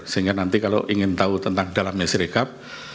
sehingga nanti kalau ingin tahu tentang dalamnya serikat